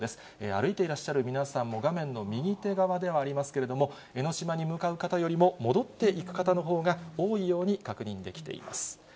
歩いていらっしゃる皆さんも、画面の右手側ではありますけれども、江の島に向かう方よりも戻っていく方のほうが多いように確認できています。